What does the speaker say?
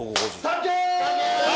サンキュー！